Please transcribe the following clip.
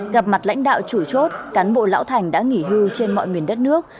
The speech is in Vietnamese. gặp mặt lãnh đạo chủ chốt cán bộ lão thành đã nghỉ hưu trên mọi miền đất nước